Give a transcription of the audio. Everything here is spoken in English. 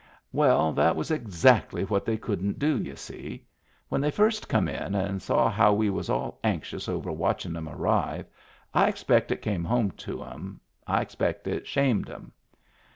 Well, that was exactly what they couldn't do, y'u see. When they first come in and saw how we was all anxious over watchin' 'em arrive I ex pect it came home to 'em, I expect it shamed 'em.